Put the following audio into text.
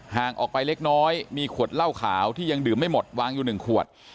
ห่างออกไปเล็กน้อยมีขวดเหล้าขาวที่ยังดื่มไม่หมดวางอยู่๑ขวด